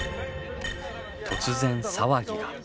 突然騒ぎが。